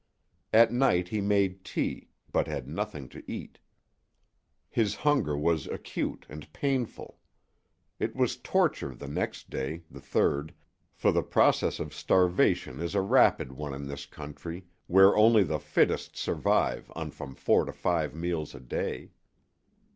At night he made tea, but had nothing to eat. His hunger was acute and painful. It was torture the next day the third for the process of starvation is a rapid one in this country where only the fittest survive on from four to five meals a day.